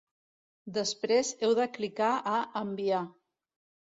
Després heu de clicar a "Enviar".